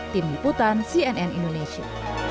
tim liputan cnn indonesia